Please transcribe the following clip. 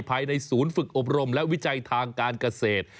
ภายในศูนย์ฝึกอบรมและวิจัยทางการเกษตร